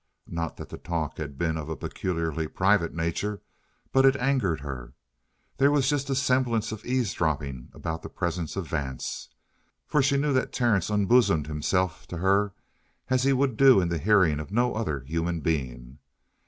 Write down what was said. Not that the talk had been of a peculiarly private nature, but it angered her. There was just a semblance of eavesdropping about the presence of Vance. For she knew that Terence unbosomed himself to her as he would do in the hearing of no other human being.